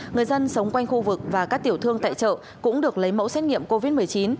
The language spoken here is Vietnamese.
người dân sống quanh khu vực và các tiểu thương tại chợ cũng được lấy mẫu xét nghiệm covid một mươi chín